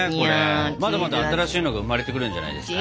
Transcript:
まだまだ新しいのが生まれてくるんじゃないですか。